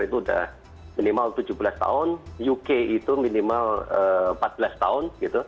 itu sudah minimal tujuh belas tahun uk itu minimal empat belas tahun